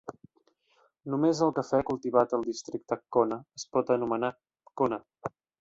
Només el cafè cultivat al districte Kona es pot anomenar Kona.